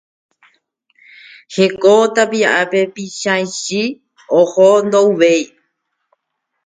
Heko tapiápe Pychãichi oho ndouvéi.